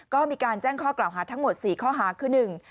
ก็มีการแจ้งข้อกล่าวหาทั้งหมดสี่ข้อหาคือหนึ่ง